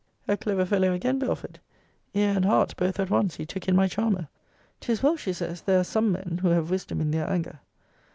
A clever fellow again, Belford! Ear and heart, both at once, he took in my charmer! 'Tis well, she says, there are some men who have wisdom in their anger.